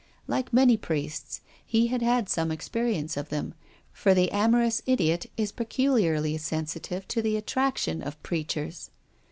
Like many priests, he had had some experience of PROFESSOR GUILDEA. 315 them, for the amorous idiot is peculiarly sensitive to the attraction of preachers.